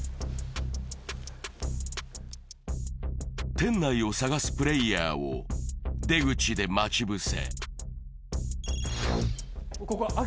店内を探すプレーヤーを出口で待ち伏せ。